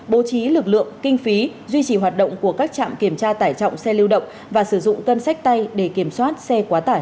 bố trí lực lượng kinh phí duy trì hoạt động của các trạm kiểm tra tải trọng xe lưu động và sử dụng cân sách tay để kiểm soát xe quá tải